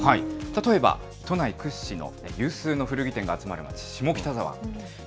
例えば、都内屈指の有数の古着店が集まる街、下北沢。